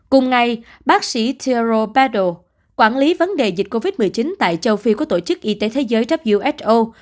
cùng ngày bác sĩ thiero padel quản lý vấn đề dịch covid một mươi chín tại châu phi của tổ chức y tế thế giới who